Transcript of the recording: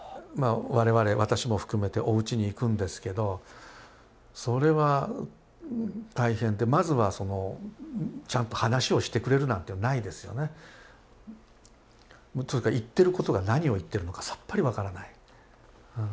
我々私も含めておうちに行くんですけどそれは大変でまずはちゃんと話をしてくれるなんてないですよね。というか言ってることが何を言ってるのかさっぱり分からない。